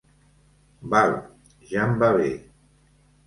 Val, ja em va bé.